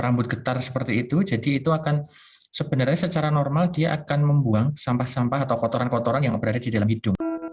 rambut getar seperti itu jadi itu akan sebenarnya secara normal dia akan membuang sampah sampah atau kotoran kotoran yang berada di dalam hidung